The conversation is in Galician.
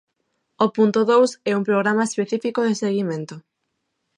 O punto dous é un programa específico de seguimento.